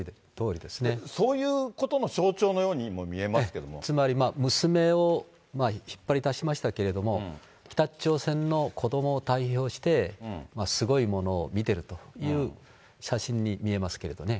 そういうことの象徴のようにつまり、娘を引っ張り出しましたけれども、北朝鮮の子どもを代表して、すごいものを見てるという写真に見えますけれどね。